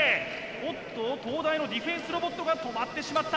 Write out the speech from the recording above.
おっと東大のディフェンスロボットが止まってしまった。